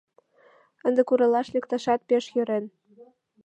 Ынде куралаш лекташат пеш йӧрен.